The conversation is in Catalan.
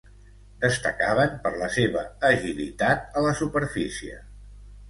Destacaven per la seva agilitat a la superfície.